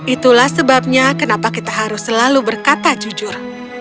itulah sebabnya kenapa kita harus selalu berkata jujur